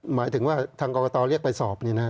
หมายถึงว่าทางกรกตเรียกไปสอบ